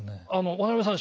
渡辺さん